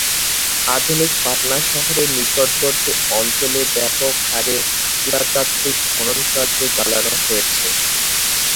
আধুনিক পাটনা শহরের নিকটবর্তী অঞ্চলে ব্যাপকহারে পুরাতাত্ত্বিক খননকার্য চালানো হয়েছে।